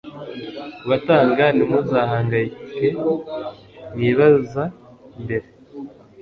kubatanga ntimuzahangayike mwibaza mbere